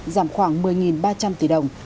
giảm khoảng một mươi ba trăm linh tỷ đồng